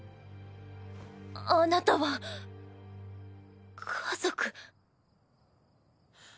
あなたは家族。